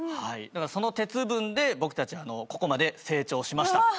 だからその鉄分で僕たちここまで成長しました。